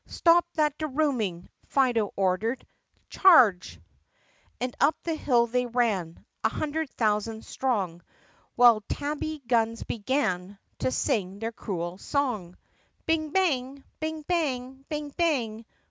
"Stop that de rooming!" Fido ordered. "Charge iii And up the hill they ran A hundred thousand strong. While tabby guns began To sing their cruel song! Bing! bang! bing! bang! bing! bang!